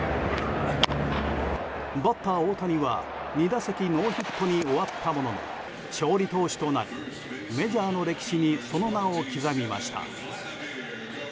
バッター大谷は２打席ノーヒットに終わったものの勝利投手となりメジャーの歴史にその名を刻みました。